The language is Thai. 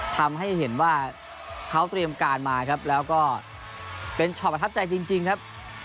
ทำให้เห็นว่าเขาเตรียมการมาครับแล้วก็เป็นช็อตประทับใจจริงครับ